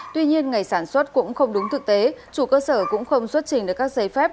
tuy nhiên ngày sản xuất cũng không đúng thực tế chủ cơ sở cũng không xuất trình được các giấy phép